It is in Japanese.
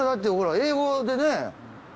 英語でね。